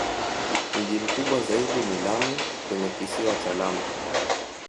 Mji mkubwa zaidi ni Lamu kwenye Kisiwa cha Lamu.